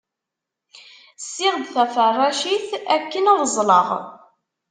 Ssiɣ-d taferracit akken ad ẓleɣ.